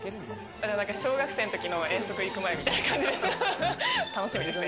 小学生の時の遠足に行く前みたいな感じです。